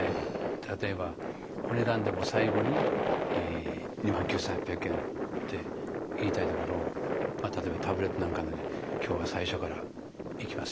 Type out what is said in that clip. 例えばお値段でも最後に２万９，８００円って言いたいところ例えばタブレットなんか「今日は最初からいきますよ